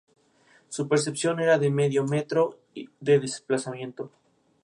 Su percepción era de medio metro de desplazamiento.